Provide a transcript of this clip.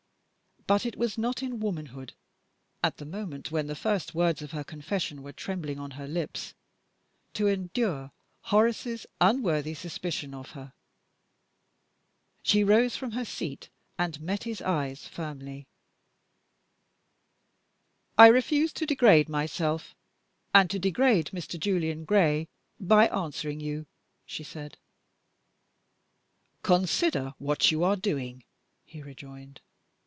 But it was not in womanhood (at the moment when the first words of her confession were trembling on her lips) to endure Horace's unworthy suspicion of her. She rose from her seat and met his eye firmly. "I refuse to degrade myself, and to degrade Mr. Julian Gray, by answering you," she said. "Consider what you are doing," he rejoined.